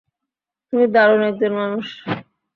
তুমি দারুণ একজন মানুষ।